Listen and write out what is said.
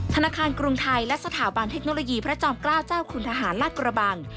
ธนาคารกรุงไทยและสถาบันเทคโนโลยีพระจอมเกล้าเจ้าคุณทหารลาดกระบัง